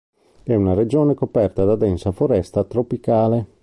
È una regione coperta da densa foresta tropicale.